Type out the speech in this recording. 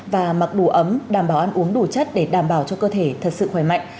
và mặc đủ ấm đảm bảo ăn uống đủ chất để đảm bảo cho cơ thể thật sự khỏe mạnh